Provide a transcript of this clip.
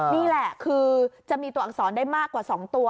นี่แหละคือจะมีตัวอักษรได้มากกว่า๒ตัว